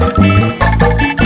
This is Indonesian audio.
yang dulu nyiksa kita